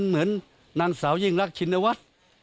เหมือนนางสาวยิ่งรักชินวัฒน์